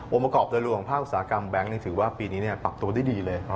ประกอบโดยรวมของภาคอุตสาหกรรมแบงค์ถือว่าปีนี้ปรับตัวได้ดีเลย